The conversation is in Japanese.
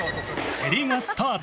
競りがスタート。